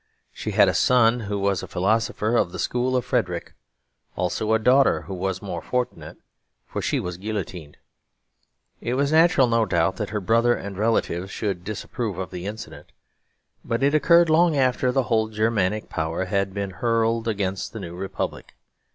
She had a son who was a philosopher of the school of Frederick; also a daughter who was more fortunate, for she was guillotined. It was natural, no doubt, that her brother and relatives should disapprove of the incident; but it occurred long after the whole Germanic power had been hurled against the new Republic.